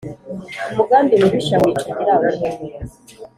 umugambi mubisha wica nyirawo